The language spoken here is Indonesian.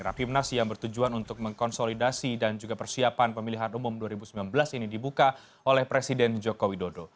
rapimnas yang bertujuan untuk mengkonsolidasi dan juga persiapan pemilihan umum dua ribu sembilan belas ini dibuka oleh presiden joko widodo